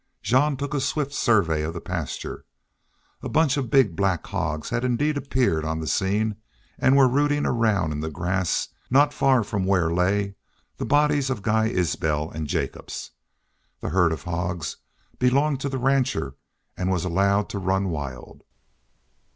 Jean took a swift survey of the pasture. A bunch of big black hogs had indeed appeared on the scene and were rooting around in the grass not far from where lay the bodies of Guy Isbel and Jacobs. This herd of hogs belonged to the rancher and was allowed to run wild.